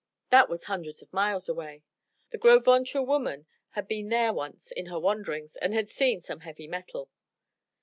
That was hundreds of miles away. The Gros Ventre woman had been there once in her wanderings and had seen some heavy metal.